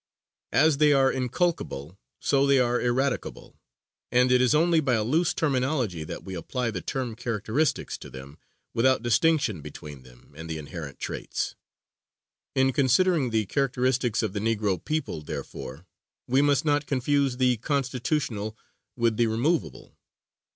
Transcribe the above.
As they are inculcable, so they are eradicable; and it is only by a loose terminology that we apply the term characteristics to them without distinction between them and the inherent traits. In considering the characteristics of the Negro people, therefore, we must not confuse the constitutional with the removable.